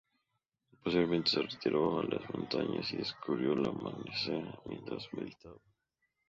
Posteriormente se retiró a las montañas y descubrió la panacea mientras meditaba.